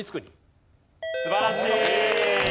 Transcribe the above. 素晴らしい！